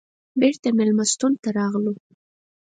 بېرته مېلمستون ته راغلو.